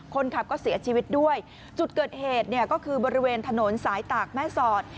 คนขับก็เสียชีวิตด้วยจุดเกิดเหตุเนี่ยก็คือบริเวณถนนสายตากแม่สอด